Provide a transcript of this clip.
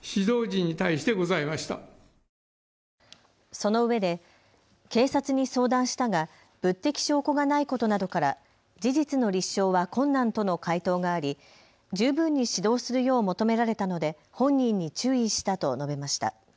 そのうえで警察に相談したが物的証拠がないことなどから事実の立証は困難との回答があり十分に指導するよう求められたので本人に注意したと述べました。